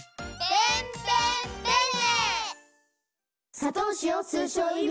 ペンペンペンネ。